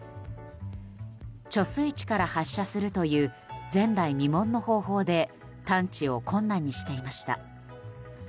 貯水池から発射するという前代未聞の方法で探知を困難にしていました。